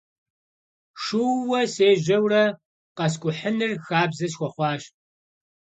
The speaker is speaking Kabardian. Шууэ сежьэурэ къэскӀухьыныр хабзэ схуэхъуащ.